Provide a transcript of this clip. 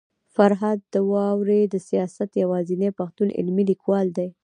فرهاد داوري د سياست يوازنی پښتون علمي ليکوال دی